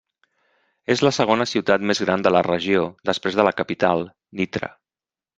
És la segona ciutat més gran de la regió, després de la capital, Nitra.